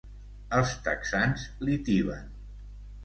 Els texans li tiben.